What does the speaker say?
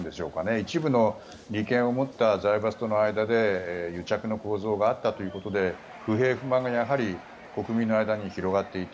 一部の利権を持った財閥との間で癒着の構造があったということで不平不満が国民の間に広がっていた。